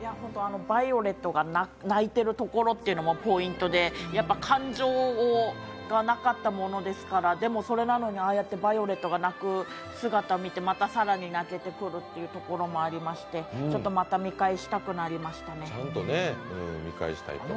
ヴァイオレットが泣いてるところっていうのもポイントで感情がなかったものですから、でも、それなのにヴァイオレットが泣く姿を見てまた更に泣けてくるというところもありまして、ちょっとまた見返したくなりましたね。